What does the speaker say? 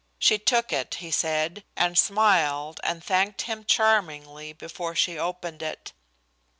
She took it, he said; and smiled, and thanked him charmingly before she opened it.